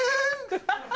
ハハハ！